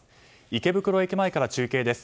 池袋駅前から中継です。